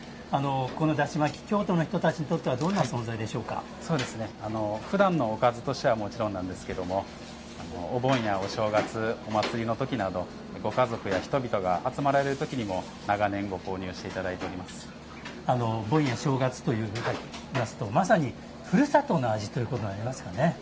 このだし巻き京都の人たちにとってはふだんのおかずとしてはもちろんなんですけれどもお盆やお正月お祭りの時などご家族や人々が集まられる時にも長年盆や正月といいますとまさに、ふるさとの味ということになりますかね。